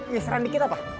geseran dikit apa